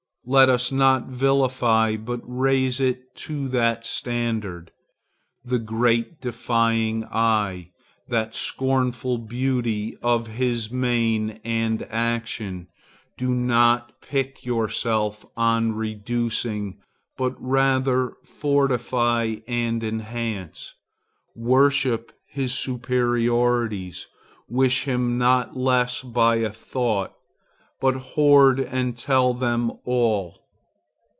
Let us not vilify, but raise it to that standard. That great defying eye, that scornful beauty of his mien and action, do not pique yourself on reducing, but rather fortify and enhance. Worship his superiorities; wish him not less by a thought, but hoard and tell them all.